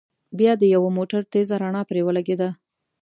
بيا د يوه موټر تېزه رڼا پرې ولګېده.